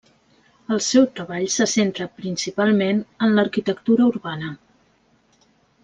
El seu treball se centra principalment en l'arquitectura urbana.